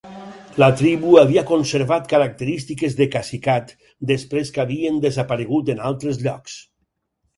La tribu havia conservat característiques de cacicat després que havien desaparegut en altres llocs.